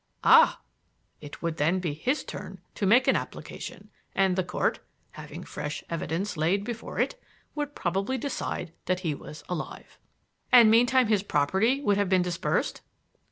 "Ah! It would then be his turn to make an application, and the Court, having fresh evidence laid before it, would probably decide that he was alive." "And meantime his property would have been dispersed?"